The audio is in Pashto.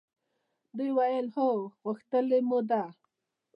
دوی وویل هو! غوښتلې مو ده.